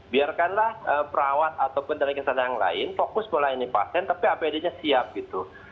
biarkanlah perawat ataupun tenaga kesehatan yang lain fokus melayani pasien tapi apd nya siap gitu